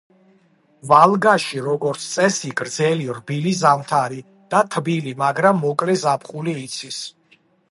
ვალგაში, როგორც წესი, გრძელი რბილი ზამთარი და თბილი, მაგრამ მოკლე ზაფხული იცის.